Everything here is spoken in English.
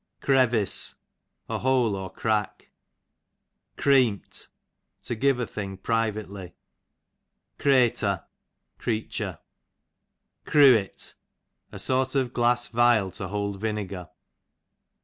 Crevis, a hole, or crack. Creemt, to give a thing jjrivately. Cretur, creature. Crewet, a sort of glass vial to hold vinegar.